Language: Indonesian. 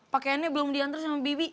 pakaiannya belum diantar sama bibi